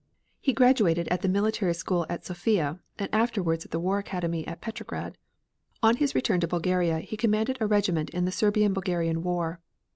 He graduated at the Military School at Sofia, and afterwards at the War Academy at Petrograd. On his return to Bulgaria he commanded a regiment in the Serbian Bulgarian war.